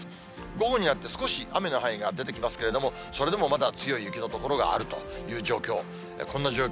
午後になって少し雨の範囲が出てきますけれども、それでもまだ強い雪の所があるという状況。